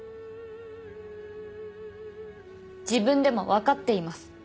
自分でもわかっています。